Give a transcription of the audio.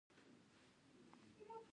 هغوی د ژمنې په بڼه سهار سره ښکاره هم کړه.